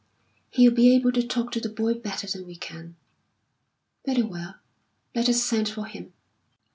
"He'll be able to talk to the boy better than we can." "Very well, let us send for him."